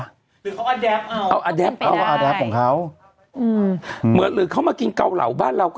หรือเขาอดับเอาเขากินไปได้อดับของเขาเอาอดับ